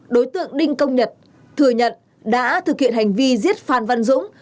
đối tượng đinh công nhật thừa nhận đã thực hiện hành vi giết phan văn dũng